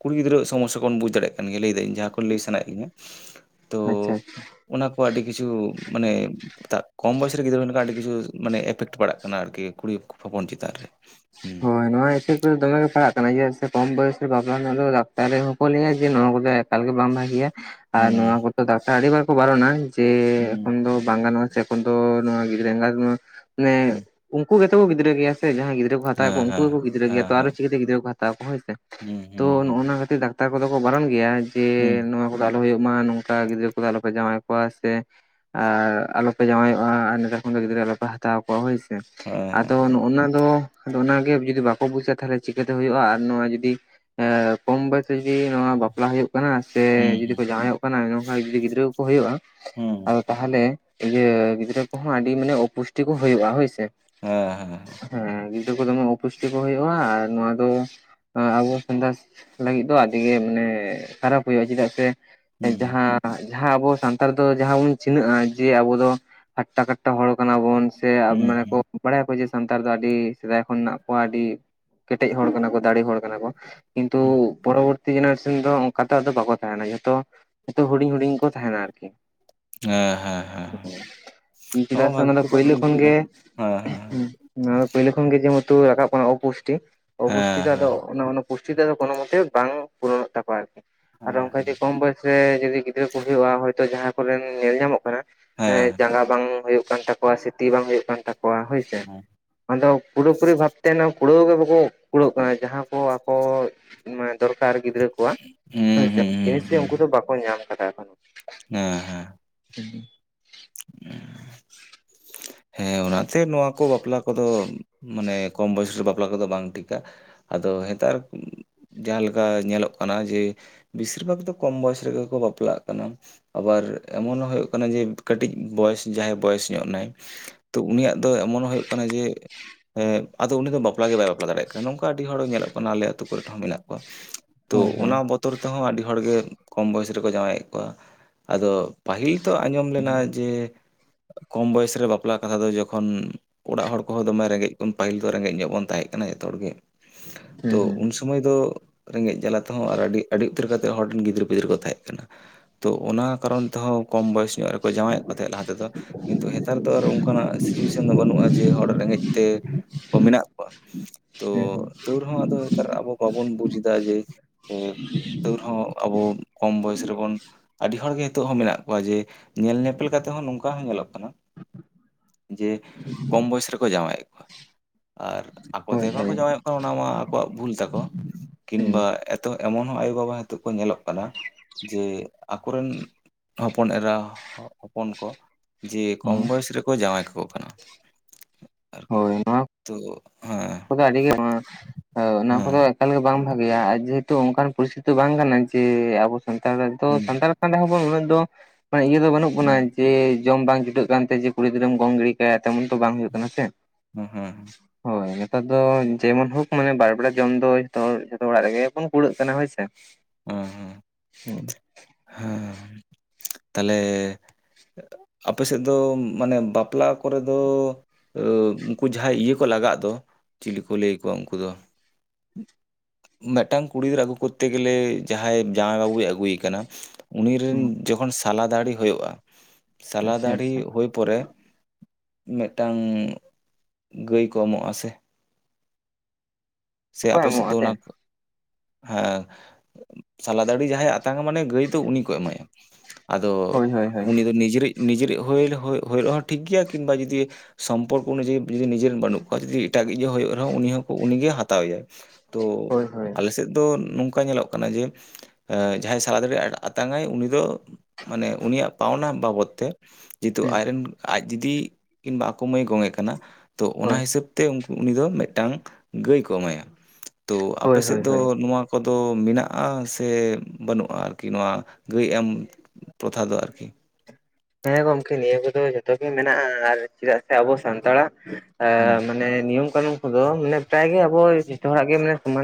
ᱠᱩᱲᱤ ᱜᱤᱫᱽᱨᱟᱹ ᱥᱚᱢᱚᱥᱟ ᱵᱳᱱ ᱵᱩᱡ ᱫᱟᱲᱮᱭᱟᱜ ᱜᱮᱭᱟ ᱞᱟᱹᱭᱟᱹᱧ ᱡᱟᱦᱟᱸ ᱠᱚ ᱞᱟᱹᱭ ᱥᱟᱱᱟᱭᱮᱫ ᱢᱤᱭᱟ ᱾ ᱟᱪᱷᱟ ᱟᱪᱷᱟ ᱾ ᱚᱱᱟ ᱠᱚ ᱟᱹᱰᱤ ᱠᱤᱪᱷᱩ ᱢᱟᱱᱮ ᱾ ᱠᱚᱢ ᱵᱚᱭᱚᱥ ᱨᱮ ᱜᱤᱫᱽᱨᱟᱹ ᱦᱩᱭ ᱞᱮᱠᱷᱟᱱ ᱟᱹᱰᱤ ᱠᱤᱪᱷᱩ ᱢᱟᱱᱮ ᱮᱯᱷᱮᱠᱴ ᱯᱟᱲᱟᱜ ᱠᱟᱱᱟ ᱟᱨᱠᱤ ᱠᱩᱲᱤ ᱦᱚᱯᱚᱱ ᱪᱮᱛᱟᱱ ᱨᱮ ᱾ ᱦᱳᱭ ᱱᱚᱣᱟ ᱮᱯᱷᱮᱠᱴ ᱵᱟ ᱫᱚᱢᱮ ᱜᱮ ᱯᱟᱲᱦᱟᱜ ᱠᱟᱱᱟ ᱡᱮᱫᱟᱜ ᱥᱮ ᱠᱚᱢ ᱵᱚᱭᱚᱥ ᱨᱮ ᱵᱟᱯᱞᱟ ᱫᱚ ᱰᱟᱠᱛᱟᱨᱤ ᱦᱚᱸᱠᱚ ᱞᱮᱭᱟ ᱡᱮ ᱱᱚᱣᱟ ᱠᱚᱫᱚ ᱮᱠᱟᱞ ᱜᱮ ᱵᱟᱝ ᱵᱷᱟᱜᱮᱭᱟ ᱾ ᱟᱨ ᱱᱚᱣᱟ ᱦᱩᱸ ᱠᱚᱫᱚ ᱰᱟᱠᱛᱟᱨ ᱟᱹᱰᱤᱵᱟᱨ ᱠᱚ ᱵᱟᱨᱚᱱᱟ ᱡᱮ ᱦᱩᱸ ᱮᱠᱷᱚᱱ ᱫᱚ ᱵᱟᱝ ᱜᱟᱱᱚᱜᱼᱟ ᱾ ᱮᱠᱷᱚᱱ ᱜᱤᱫᱽᱨᱟᱹ ᱮᱸᱜᱟᱛ ᱢᱟᱱᱮ ᱦᱩᱸ ᱩᱱᱠᱩ ᱜᱮᱛᱚ ᱠᱚ ᱜᱤᱫᱽᱨᱟᱹ ᱜᱮᱭᱟ ᱥᱮ ᱡᱟᱦᱟᱸᱭ ᱜᱤᱫᱽᱨᱟᱹ ᱦᱟᱛᱟᱣ ᱠᱚᱣᱟ ᱦᱮᱸ ᱩᱱᱠᱩ ᱜᱮᱠᱚ ᱜᱽᱤᱫᱨᱟᱹᱜᱮᱭᱟ ᱛᱚ ᱟᱨ ᱦᱮᱸ ᱪᱤᱠᱟᱹᱛᱮ ᱜᱽᱤᱫᱨᱟᱹ ᱠᱚ ᱦᱟᱛᱟᱣ ᱠᱚᱣᱟ ᱦᱮᱸᱥᱮ ᱦᱮᱸ ᱦᱮᱸ ᱦᱩᱸ ᱛᱚ ᱦᱩᱸ ᱱᱚᱜ-ᱱᱟ ᱠᱷᱛᱤᱨ ᱠᱟᱛᱟ ᱠᱚᱫᱚ ᱠᱚ ᱵᱟᱨᱚᱱ ᱜᱮᱭᱟ ᱡᱮ ᱦᱩᱸ ᱱᱚᱣᱟ ᱠᱚᱫᱚ ᱟᱞᱚ ᱦᱩᱭᱩᱜ ᱢᱟ ᱱᱚᱝᱠᱟ ᱜᱤᱫᱽᱨᱟᱹ ᱠᱚᱫᱚ ᱟᱞᱚᱯᱮ ᱡᱟᱶᱟᱭ ᱠᱚᱣᱟ ᱥᱮ ᱟᱨ ᱟᱞᱚᱯᱮ ᱡᱟᱶᱟᱭᱚᱜ-ᱟ ᱟᱨ ᱱᱮᱛᱟᱨ ᱠᱷᱚᱱ ᱫᱚ ᱜᱤᱫᱽᱨᱟᱹ ᱟᱞᱚᱯᱮ ᱦᱟᱛᱟᱣ ᱠᱚᱣᱟ ᱦᱳᱭ ᱦᱩᱸ ᱦᱮᱸ ᱟᱫᱚ ᱦᱮᱸ ᱱᱚᱜ-ᱚᱱᱟ ᱫᱚ ᱟᱫᱚ ᱚᱱᱟᱜᱮ ᱡᱩᱫᱤ ᱵᱟᱠᱚ ᱵᱩᱡᱟ ᱛᱟᱦᱚᱞᱮ ᱪᱤᱠᱟᱹᱛᱮ ᱦᱩᱭᱩᱜ-ᱟ ᱟᱨ ᱱᱚᱣᱟ ᱡᱩᱫᱤ ᱮ ᱠᱚᱢ ᱵᱮᱥ ᱡᱩᱫᱤ ᱱᱚᱣᱟ ᱵᱟᱯᱞᱟ ᱦᱩᱭᱩᱜ ᱠᱟᱱᱟ ᱥᱮ ᱦᱩᱸ ᱡᱩᱫᱤ ᱠᱚ ᱦᱩᱸ ᱡᱟᱶᱟᱭ ᱦᱩᱭᱩᱜ ᱠᱟᱱᱟᱝᱠᱷᱟᱱ ᱡᱩᱫᱤ ᱜᱤᱫᱽᱨᱟᱹ ᱠᱚ ᱦᱩᱭᱩᱜᱼᱟ ᱾ ᱦᱩᱸ ᱟᱫᱚ ᱛᱟᱦᱚᱞᱮ ᱤᱭᱟᱹ ᱜᱤᱫᱽᱨᱟᱹ ᱠᱚᱦᱚᱸ ᱟᱹᱰᱤ ᱢᱟᱱᱮ ᱚᱯᱩᱥᱴᱤ ᱠᱚ ᱦᱩᱭᱩᱜ-ᱟ ᱦᱳᱭᱥᱮ ᱾ ᱦᱮᱸ ᱜᱤᱫᱽᱨᱟᱹ ᱠᱚ ᱫᱚᱢᱮ ᱚᱯᱩᱥᱴᱤ ᱠᱚ ᱦᱩᱭᱩᱜ-ᱟ ᱟᱨ ᱱᱚᱣᱟ ᱫᱚ ᱟᱵᱚ ᱥᱟᱸᱫᱟᱥ ᱞᱟᱹᱜᱤᱫ ᱫᱚ ᱟᱹᱰᱤ ᱜᱮ ᱢᱟᱱᱮ ᱠᱷᱟᱨᱟᱯ ᱦᱩᱭᱩᱜ-ᱟ ᱪᱮᱫᱟᱜ ᱥᱮ ᱦᱩᱸ ᱡᱟᱦᱟᱸ ᱡᱟᱦᱟᱸ ᱟᱵᱚ ᱥᱟᱱᱛᱟᱲ ᱫᱚ ᱡᱟᱦᱟᱸ ᱵᱚᱱ ᱪᱤᱱᱦᱹᱟᱹᱜ-ᱟ ᱡᱮ ᱟᱵᱚ ᱫᱚ ᱟᱴᱴᱟ ᱠᱟᱴᱴᱟ ᱦᱚᱲ ᱠᱟᱱᱟ ᱵᱚᱱ ᱾ ᱥᱮ ᱦᱩᱸ ᱢᱟᱱᱮ ᱠᱚ ᱦᱩᱸ ᱵᱟᱲᱟᱭᱟᱠᱚ ᱡᱮ ᱥᱟᱱᱛᱟᱲ ᱫᱚ ᱟᱹᱰᱤ ᱥᱮᱫᱟᱭ ᱠᱷᱚᱱ ᱦᱱᱟᱜ ᱠᱚᱣᱟ ᱟᱹᱰᱤ ᱠᱮᱴᱮᱡ ᱦᱚᱲ ᱠᱟᱱᱟ ᱠᱚ ᱫᱟᱲᱮ ᱦᱚᱲ ᱠᱟᱱᱟ ᱠᱚ ᱠᱤᱱᱛᱩ ᱯᱚᱨᱚᱵᱚᱨᱛᱤ ᱡᱮᱱᱟᱨᱮᱥᱚᱱ ᱫᱚ ᱚᱱᱠᱟ ᱛᱚ ᱵᱟᱠᱚ ᱛᱟᱦᱮᱱᱟ ᱡᱷᱚᱛᱚ ᱡᱚᱛᱚ ᱦᱩᱰᱤᱧ ᱦᱩᱰᱤᱧ ᱠᱚ ᱛᱟᱦᱮᱱᱟ ᱟᱨᱠᱤ ᱾ ᱦᱮᱸ ᱦᱮᱸ ᱦᱮᱸ ᱱᱚᱣᱟ ᱪᱮᱫᱟᱜ ᱥᱮ ᱵᱷᱟᱜᱤ ᱚᱱᱟᱫᱚ ᱠᱟᱛᱷᱟ ᱯᱳᱭᱞᱳ ᱵᱮᱱ ᱞᱟᱹᱭ ᱠᱷᱚᱱ ᱠᱮᱫᱟ ᱜᱮ ᱦᱮᱸ ᱯᱳᱭᱞᱳ ᱠᱷᱚᱱ ᱜᱮ ᱡᱮᱦᱮᱛᱩ ᱨᱟᱠᱟᱵ ᱠᱟᱱᱟ ᱚᱯᱩᱥᱴᱤ ᱚᱯᱩᱥᱴᱤ ᱦᱮᱸ ᱫᱚ ᱟᱫᱚ ᱯᱩᱥᱴᱤ ᱫᱚ ᱠᱳᱱᱳ ᱢᱚᱛᱮ ᱵᱟᱝ ᱯᱩᱨᱚᱱᱚᱜ ᱛᱟᱠᱚᱣᱟ ᱟᱨᱠᱤ ᱟᱨ ᱦᱮᱸ ᱚᱱᱠᱟ ᱠᱚᱢ ᱵᱚᱭᱚᱥ ᱥᱮ ᱡᱩᱫᱤ ᱜᱤᱫᱽᱨᱟᱹ ᱠᱚ ᱦᱩᱭᱩᱜ-ᱟ ᱦᱚᱭᱛᱚ ᱡᱟᱦᱟᱸ ᱠᱚᱨᱮᱱ ᱧᱮᱞ ᱧᱟᱢᱚᱜ ᱠᱟᱱᱟ ᱾ ᱦᱮᱸ ᱡᱟᱸᱜᱟ ᱵᱟᱝ ᱦᱩᱭᱩᱜ ᱠᱟᱱ ᱛᱟᱠᱚᱣᱟ ᱥᱮ ᱛᱤ ᱵᱟᱝ ᱦᱩᱭᱩᱜ ᱠᱟᱱ ᱛᱟᱠᱚᱣᱟ ᱦᱳᱭᱥᱮ ᱟᱫᱚ ᱯᱩᱨᱟᱹᱯᱩᱨᱩᱨᱤ ᱵᱷᱟᱵ ᱛᱮᱱ ᱠᱩᱲᱟᱹᱣ ᱜᱮ ᱵᱟᱠᱚ ᱠᱩᱲᱟᱹᱜ ᱠᱟᱱᱟ ᱡᱟᱦᱟᱸ ᱠᱚ ᱟᱠᱚ ᱫᱚᱨᱠᱟᱨ ᱜᱤᱫᱽᱨᱟᱹ ᱠᱚ ᱠᱳᱣᱟ ᱦᱩᱸ ᱦᱩᱸ ᱦᱚᱥᱮ ᱦᱩᱸ ᱡᱤᱱᱤᱥ ᱜᱮ ᱦᱩᱸ ᱩᱱᱠᱩ ᱫᱚ ᱵᱟᱠᱚ ᱧᱟᱢ ᱟᱠᱟᱫᱟ ᱾ ᱦᱮᱸ ᱦᱮᱸ ᱾ [inaudible] [inaudible] [unintelligible] ᱦᱮᱸ ᱚᱱᱟᱛᱮ ᱱᱚᱣᱟ ᱠᱚ ᱵᱟᱯᱞᱟ ᱠᱚᱫᱚ ᱢᱟᱱᱮ ᱠᱚᱢ ᱵᱚᱭᱚᱥᱨᱮ ᱵᱟᱯᱞᱟ ᱠᱚᱫᱚ ᱵᱟᱝ ᱴᱷᱤᱠᱟ ᱾ ᱟᱫᱚ ᱱᱮᱛᱟᱨ ᱾ ᱡᱟᱦᱟᱸ ᱞᱮᱠᱟ ᱧᱮᱞᱚᱜ ᱠᱟᱱᱟ ᱡᱮ ᱵᱮᱥᱤᱨ ᱵᱷᱟᱜᱽ ᱫᱚ ᱠᱚᱢ ᱵᱚᱭᱚᱥ ᱨᱮᱜᱮ ᱠᱚ ᱵᱟᱯᱞᱟᱜ ᱠᱟᱱᱟ ᱾ ᱟᱵᱟᱨ ᱮᱢᱚᱱ ᱦᱚᱸ ᱦᱩᱭᱩᱜ ᱠᱟᱱᱟ ᱡᱮ ᱠᱟᱹᱴᱤᱡ ᱵᱚᱭᱚᱥ ᱡᱟᱦᱟᱸᱭ ᱵᱚᱭᱚᱥ ᱧᱚᱜ ᱱᱟᱭ ᱛᱚ ᱩᱱᱤᱭᱟᱜ ᱫᱚ ᱮᱢᱚᱱ ᱦᱩᱭᱩᱜ ᱠᱟᱱᱟ ᱡᱮ ᱦᱮᱸ ᱟᱫᱚ ᱩᱱᱤ ᱫᱚ ᱵᱟᱯᱞᱟ ᱜᱮ ᱵᱟᱭ ᱵᱟᱯᱞᱟ ᱫᱟᱲᱮᱭᱟᱜ ᱠᱟᱱᱟ᱾ ᱱᱚᱝᱠᱟ ᱟᱹᱰᱤ ᱦᱚᱲ ᱧᱮᱞᱚᱜ ᱠᱟᱱᱟ ᱟᱞᱮ ᱟᱹᱛᱩ ᱠᱚᱨᱮ ᱦᱚᱸ ᱢᱮᱱᱟᱜ ᱠᱚᱣᱟ᱾ ᱛᱚ ᱚᱱᱟ ᱵᱚᱛᱚᱨ ᱛᱮᱦᱚᱸ ᱟᱹᱰᱤ ᱦᱚᱲᱜᱮ ᱠᱚᱢ ᱵᱚᱭᱚᱥ ᱨᱮᱠᱚ ᱡᱟᱶᱟᱭᱮᱫ ᱠᱚᱣᱟ᱾ ᱟᱫᱚ ᱯᱟᱹᱦᱤᱞ ᱛᱚ ᱟᱸᱡᱚᱢ ᱞᱮᱱᱟ ᱡᱮ ᱠᱚᱢ ᱵᱚᱭᱚᱥ ᱨᱮ ᱵᱟᱯᱞᱟ ᱠᱟᱛᱷᱟ ᱫᱚ ᱡᱚᱠᱷᱚᱱ ᱚᱲᱟᱜ ᱦᱚᱲ ᱠᱚᱦᱚᱸ ᱫᱚᱢᱮ ᱨᱮᱸᱜᱮᱡ ᱵᱚᱱ ᱯᱟᱹᱦᱤᱞ ᱫᱚ ᱨᱮᱸᱜᱮᱡ ᱧᱚᱜ ᱵᱚᱱ ᱛᱟᱦᱮᱸ ᱠᱟᱱᱟ ᱡᱚᱛᱚ ᱦᱚᱲ ᱜᱮ᱾ ᱛᱚ ᱩᱱ ᱥᱚ ᱥᱚᱢᱚᱭ ᱫᱚ ᱨᱮᱸᱜᱮᱡ ᱡᱟᱞᱟ ᱛᱮᱦᱚᱸ ᱟᱨ ᱟᱹᱰᱤ ᱟᱹᱰᱤ ᱩᱛᱟᱹᱨ ᱠᱟᱛᱮᱫ ᱦᱚᱲ ᱨᱮᱱ ᱜᱤᱫᱽᱨᱟᱹ ᱯᱤᱫᱽᱨᱟᱹᱨᱟᱹ ᱠᱚ ᱛᱟᱦᱮᱸᱜ ᱠᱟᱱᱟ᱾ ᱛᱚ ᱚᱱᱟ ᱠᱟᱨᱚᱱ ᱛᱮᱦᱚᱸ ᱠᱚᱢ ᱵᱚᱭᱚᱥ ᱧᱚᱜ ᱨᱮᱠᱚ ᱡᱟᱶᱟᱭᱮᱫ ᱠᱚ ᱛᱟᱦᱮᱸᱫ ᱞᱟᱦᱟ ᱛᱮᱫᱚ᱾ ᱠᱤᱱᱛᱩ ᱦᱮ ᱛᱟᱨ ᱫᱚ ᱟᱨ ᱚᱱᱠᱟᱱᱟᱜ ᱥᱤᱪᱩᱭᱮᱥᱚᱱ ᱫᱚ ᱵᱟᱹᱱᱩᱜ-ᱟ ᱡᱮ ᱦᱚᱲ ᱨᱮᱸᱜᱮᱡ ᱛᱮ ᱢᱮᱱᱟᱜ ᱠᱚᱣᱟ᱾ ᱛᱚ ᱛᱚᱣ ᱨᱮᱦᱚᱸ ᱟᱫᱚ ᱱᱮᱛᱟᱨ ᱟᱵᱚ ᱵᱟᱵᱚᱱ ᱵᱩᱡ ᱮᱫᱟ ᱡᱮ ᱮᱸ ᱛᱟᱹᱣ ᱨᱮᱦᱚᱸ ᱟᱵᱚ ᱠᱚᱢ ᱵᱚᱭᱚᱥ ᱨᱮᱵᱚᱱ ᱟᱹᱰᱤ ᱡᱚᱛᱚ ᱦᱚᱲ ᱜᱮ ᱱᱤᱛᱚᱜ ᱦᱚᱸ ᱢᱮᱱᱟᱜ ᱠᱚᱣᱟ ᱡᱮ ᱧᱮᱞ ᱧᱮᱯᱮᱞ ᱠᱟᱛᱮᱜ ᱦᱚᱸ ᱱᱚᱝᱠᱟ ᱦᱚᱸ ᱧᱮᱞᱚᱜ ᱠᱟᱱᱟ ᱡᱮ ᱠᱚᱢ ᱵᱚᱭᱚᱥ ᱨᱮᱠᱚ ᱡᱟᱶᱟᱭᱮᱫ ᱠᱚᱣᱟ᱾ ᱟᱨ ᱟᱠᱚᱛᱮ ᱦᱳᱭ ᱦᱳᱭ ᱦᱩᱸ ᱦᱩᱸ ᱦᱩᱸ ᱦᱩᱸ ᱦᱳᱭ ᱵᱟᱝᱠᱚ ᱦᱳᱭ ᱡᱟᱶᱟᱭᱚᱜ ᱠᱟᱱᱟ ᱚᱱᱟ ᱢᱟ ᱟᱠᱚᱣᱟᱜ ᱵᱷᱩᱞ ᱛᱟᱠᱚ᱾ ᱦᱩᱸ ᱠᱤᱢᱵᱟ ᱮᱛᱚ ᱮᱢᱚᱱ ᱦᱚᱸ ᱟᱭᱚ ᱵᱟᱵᱟ ᱦᱤᱛᱚᱜ ᱠᱚ ᱧᱮᱞᱚᱜ ᱠᱟᱱᱟ ᱡᱮ ᱟᱠᱚᱨᱤᱱ ᱦᱚᱯᱚᱱ ᱮᱨᱟ ᱦᱚᱯᱚᱱ ᱠᱚ ᱡᱮ ᱠᱚᱢ ᱵᱚᱭᱮᱥ ᱨᱮᱠᱚ ᱡᱟᱶᱟᱭ ᱠᱟᱠᱚ ᱠᱟᱱᱟ᱾ ᱟᱨᱠᱤ ᱦᱚᱭ ᱱᱚᱣᱟ ᱛᱚ ᱦᱮᱸ ᱠᱚᱫᱚ ᱟᱹᱰᱤ ᱜᱮ ᱱᱚᱣᱟ ᱦᱚᱭ ᱚᱱᱟ ᱦᱮᱸ ᱠᱚᱫᱚ ᱮᱠᱟᱞᱜᱮ ᱵᱟᱝ ᱵᱷᱟᱹᱜᱤᱭᱟ ᱟᱨ ᱡᱮᱦᱮᱛᱩ ᱚᱱᱠᱟᱱ ᱯᱚᱨᱤᱥᱛᱷᱤᱛᱤ ᱫᱚ ᱵᱟᱝ ᱠᱟᱱᱟ ᱡᱮ ᱟᱵᱚ ᱥᱟᱱᱛᱟᱲ ᱛᱚ ᱦᱩᱸ ᱥᱟᱱᱛᱟᱲ ᱠᱟᱱ ᱨᱮᱦᱚᱸ ᱵᱚᱱ ᱩᱱᱟᱹᱜ ᱫᱚ ᱢᱟᱱᱮ ᱤᱭᱟᱹ ᱫᱚ ᱵᱟᱹᱱᱩᱜ ᱵᱚᱱᱟ ᱦᱩᱸ ᱡᱮ ᱡᱚᱢ ᱵᱟᱝ ᱡᱩᱛᱩᱟᱹᱜ ᱠᱟᱱ ᱛᱮ ᱡᱮ ᱠᱩᱲᱤ ᱜᱤᱫᱽᱨᱟᱹᱢ ᱜᱚᱝ ᱜᱤᱰᱤ ᱠᱟᱭᱟ ᱛᱮᱢᱚᱱ ᱛᱚ ᱵᱟᱝ ᱦᱩᱭᱩᱜᱭ ᱠᱟᱱᱟ ᱥᱮ᱾ ᱦᱩᱸ ᱦᱮᱸ ᱾ ᱦᱚᱭ ᱱᱮᱛᱟᱨ ᱫᱚ ᱡᱮᱢᱚᱱ ᱦᱳᱠ ᱢᱟᱱᱮ ᱵᱟᱨ ᱵᱮᱲᱟ ᱡᱚᱢ ᱫᱚ ᱡᱚᱛᱚ ᱦᱚᱲ ᱡᱷᱚᱛᱚ ᱚᱲᱟᱜ ᱨᱮᱜᱮ ᱵᱚᱱ ᱠᱩᱲᱟᱹᱜ ᱠᱟᱱᱟ ᱦᱚᱭ ᱥᱮ᱾ ᱦᱮᱸ ᱦᱩᱸ᱾ [unintelligible] ᱦᱮᱸ ᱛᱟᱦᱚᱞᱮ ᱟᱯᱮ ᱥᱮᱫ ᱫᱚ ᱢᱟᱱᱮ ᱵᱟᱯᱞᱟ ᱠᱚᱨᱮ ᱫᱚ ᱩᱱᱠᱩ ᱡᱟᱦᱟᱸᱭ ᱤᱭᱟᱹ ᱠᱚ ᱞᱟᱜᱟᱜ ᱫᱚ, ᱪᱤᱞᱤ ᱠᱚ ᱞᱟᱹᱭ ᱟᱠᱚᱣᱟ ᱩᱱᱠᱩ ᱫᱚ? ᱢᱮᱫᱴᱟᱝ ᱠᱩᱲᱤ ᱜᱤᱫᱽᱨᱟᱹ ᱟᱜᱩ ᱠᱚᱨᱛᱮ ᱜᱮᱞᱮ ᱡᱟᱦᱟᱸᱭ ᱡᱟᱶᱟᱭ ᱵᱟᱹᱵᱩᱭ ᱟᱹᱜᱩᱭᱮ ᱠᱟᱱᱟ᱾ ᱩᱱᱤ ᱨᱤᱱ ᱡᱚᱠᱷᱚᱱ ᱥᱟᱞᱟ ᱫᱟᱲᱦᱤ ᱦᱩᱭᱩᱜ-ᱟ, ᱥᱟᱞᱟ ᱟᱪᱪᱷᱟ ᱫᱟᱲᱦᱤ ᱟᱪᱪᱷᱟ ᱦᱩᱭ ᱯᱚᱨᱮ ᱢᱤᱫᱴᱟᱝ ᱜᱟᱹᱭ ᱠᱚ ᱮᱢᱚᱜ-ᱟ ᱥᱮ᱾ ᱥᱮ ᱠᱚ ᱟᱯᱮ ᱥᱮᱫ ᱮᱢᱚᱜᱼᱟ ᱫᱚ ᱥᱮ ᱚᱱᱟ ᱦᱮᱸ ᱥᱟᱞᱟ ᱫᱟᱲᱦᱤ ᱡᱟᱦᱟᱸᱭᱮ ᱟᱛᱟᱝᱟ ᱢᱟᱱᱮ ᱜᱟᱹᱭ ᱫᱚ ᱩᱱᱤ ᱠᱚ ᱮᱢᱟᱭᱟ᱾ ᱟᱫᱚ ᱦᱳᱭ ᱦᱳᱭ ᱦᱳᱭ ᱩᱱᱤ ᱫᱚ ᱱᱤᱡᱮᱨᱤᱡ ᱱᱤᱡᱮᱨᱤᱡ ᱦᱩᱭ ᱦᱩᱭ ᱨᱮᱦᱚᱸ ᱴᱷᱤᱠ ᱜᱮᱭᱟ ᱠᱤᱝᱵᱟ ᱡᱩᱫᱤᱣ ᱥᱚᱢᱯᱚᱨᱠᱚ ᱚᱱᱩᱡᱟᱭᱤ ᱡᱩᱫᱤ ᱱᱤᱡᱮᱨ ᱨᱮᱱ ᱵᱟᱹᱱᱩᱜ ᱠᱚᱣᱟ, ᱡᱩᱫᱤ ᱮᱴᱟᱜᱤᱡ ᱦᱚ ᱦᱩᱭᱩᱜ ᱨᱮᱦᱚᱸ ᱩᱱᱤ ᱦᱚᱸᱠᱚ ᱩᱱᱤᱜᱮ ᱦᱟᱛ ᱛᱟᱣᱮᱭᱟᱭ᱾ ᱛᱚ ᱦᱳᱭ ᱦᱳᱭ ᱦᱳᱭ ᱟᱞᱮᱥᱮᱫ ᱫᱚ ᱱᱚᱝᱠᱟ ᱧᱮᱞᱚᱜ ᱠᱟᱱᱟ ᱡᱮ ᱮᱸ ᱡᱟᱦᱟᱸᱭ ᱥᱟᱞᱟ ᱫᱟᱲᱤ ᱟᱛᱟᱝ-ᱟᱭ ᱩᱱᱤ ᱫᱚ ᱢᱟᱱᱮ ᱩᱱᱤᱭᱟᱜ ᱯᱟᱣᱱᱟ ᱵᱟᱵᱚᱛ ᱛᱮ ᱡᱮᱦᱮᱛᱩ ᱟᱡᱨᱮᱱ ᱟᱡ ᱡᱩᱫᱤ ᱠᱤᱱᱵᱟ ᱟᱠᱚ ᱢᱟᱹᱭ ᱜᱚᱸᱜᱮ ᱠᱟᱱᱟ ᱛᱚ ᱚᱱᱟ ᱦᱳᱭ ᱦᱤᱥᱟᱹᱵ ᱛᱮ ᱩᱱᱤ ᱫᱚ ᱢᱤᱫᱴᱟᱝ ᱜᱟᱹᱭ ᱠᱚ ᱮᱢᱟᱭᱟ᱾ ᱛᱚ ᱦᱳᱭ ᱟᱯᱮᱥᱮᱫ ᱦᱳᱭ ᱫᱚ ᱦᱳᱭ ᱱᱚᱣᱟ ᱠᱚᱫᱚ ᱢᱮᱱᱟᱜ-ᱟ ᱥᱮ ᱵᱟᱹᱱᱩᱜ-ᱟ ᱟᱨᱠᱤ ᱱᱚᱣᱟ ᱜᱟᱹᱭ ᱮᱢ ᱯᱨᱚᱛᱷᱟ ᱫᱚ ᱟᱨᱠᱤ᱾ ᱦᱮᱸ ᱜᱚᱢᱠᱮ ᱱᱤᱭᱟᱹ ᱠᱚᱫᱚ ᱡᱚᱛᱚ ᱜᱮ ᱢᱮᱱᱟᱜ-ᱟ ᱟᱨ ᱪᱮᱫᱟᱜ ᱥᱮ ᱟᱵᱚ ᱥᱟᱱᱛᱟᱲᱟᱜ ᱟ ᱦᱩᱸ ᱢᱟᱱᱮ ᱱᱤᱭᱚᱢ ᱠᱟᱹᱱᱩᱱ ᱠᱚᱫᱚ ᱢᱟᱱᱮ ᱯᱨᱟᱭ ᱜᱮ ᱟᱵᱚ ᱡᱚᱛᱚ ᱦᱚᱲᱟᱜ ᱜᱮ ᱢᱟᱱᱮ ᱥᱚᱢᱟᱱ